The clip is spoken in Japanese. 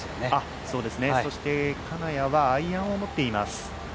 そして金谷はアイアンを持っています。